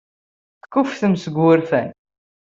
Tekkufftem seg wurfan.